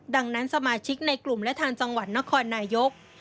ดังนั้นสมาชิกในกลุ่มและทางจังหวัดนครนายก